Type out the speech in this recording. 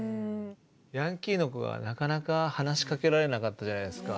ヤンキーの子がなかなか話しかけられなかったじゃないですか。